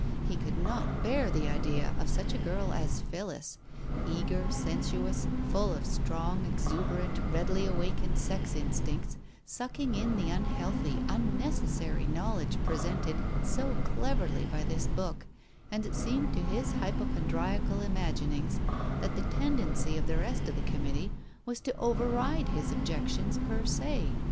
He could not bear the idea of such a girl as Phillis, eager, sensuous, full of strong, exuberant, readily awakened sex instincts, sucking in the unhealthy, unnecessary knowledge presented so cleverly by this book, and it'seemed to his hypochondriacal imagin ings that the tendency of the rest of the Committee was to override his objections per se.